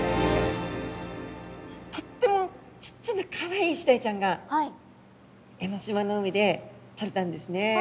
とってもちっちゃなかわいいイシダイちゃんが江の島の海でとれたんですね。